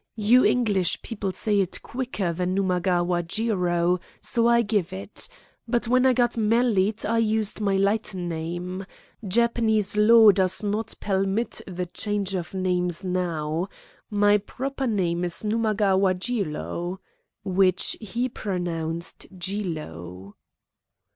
You English people say it quicker than Numaguwa Jiro, so I give it. But when I got mallied I used my light name. Japanese law does not pelmit the change of names now. My ploper name is Numagawa Jiro" which he pronounced "Jilo."